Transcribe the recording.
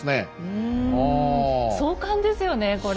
うん壮観ですよねこれ。